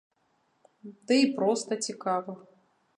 Ды і проста цікава!